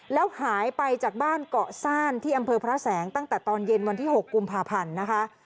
แล้วหายไปจากบ้านเกาะซ่านที่อำเภอพระแสงตั้งแต่ตอนเย็นวันที่๖กุมภาพันธ์นะคะ